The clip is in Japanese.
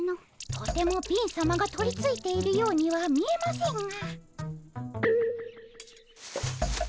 とても貧さまが取りついているようには見えませんが。